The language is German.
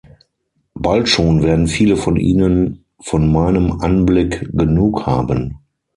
Bald schon werden viele von Ihnen von meinem Anblick genug haben!